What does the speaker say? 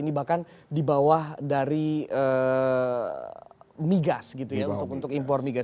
ini bahkan di bawah dari migas gitu ya untuk impor migas